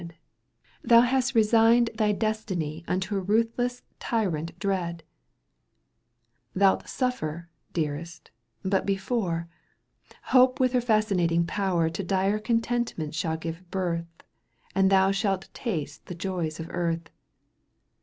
canto iil Thou hast resigned thy destiny Unto a ruthless tyrant dreai Thou'lt suffer, dearest, but before, ' Hope with her fascinating power To dire contentment shaU give birth And thou shalt taste the joys of earth.